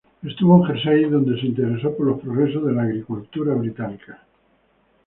Estuvo en Jersey, donde se interesó por los progresos de la agricultura británica.